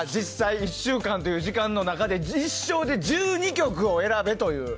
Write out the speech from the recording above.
１週間という時間の中で一生で１２曲を選べという。